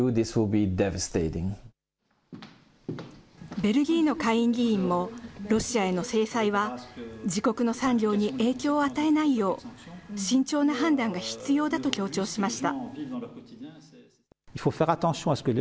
ベルギーの下院議員も、ロシアへの制裁は自国の産業に影響を与えないよう、慎重な判断が必要だと強調しました。